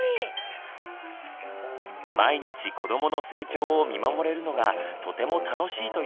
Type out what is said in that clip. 毎日子どもの成長を見守れるのがとても楽しいという野村さん。